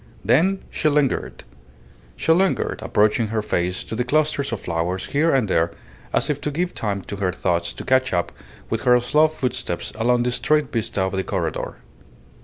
Then she lingered. She lingered, approaching her face to the clusters of flowers here and there as if to give time to her thoughts to catch up with her slow footsteps along the straight vista of the corredor.